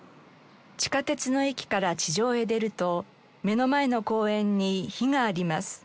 地下鉄の駅から地上へ出ると目の前の公園に碑があります。